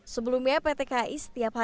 sebelumnya pt kai setiap hari